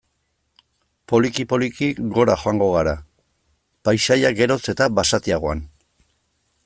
Poliki-poliki gora joango gara, paisaia geroz eta basatiagoan.